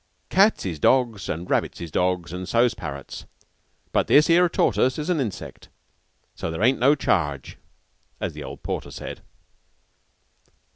"Cats is dogs, and rabbits is dogs, and so's parrots. But this 'ere tortoise is an insect, so there ain't no charge," as the old porter said.